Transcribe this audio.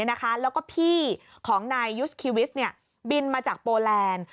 แล้วก็พี่ของนายยุสคิวิสบินมาจากโปแลนด์